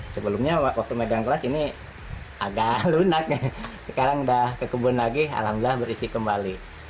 sebelumnya waktu medan kelas ini agak lunak sekarang sudah ke kebun lagi alhamdulillah berisi kembali